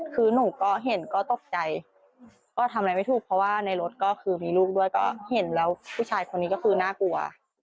คือหนูก็เห็นก็ตกใจก็ทำอะไรไม่ถูกเพราะว่าในรถก็คือมีลูกด้วยก็เห็นแล้วผู้ชายคนนี้ก็คือน่ากลัว